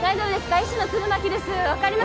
医師の弦巻です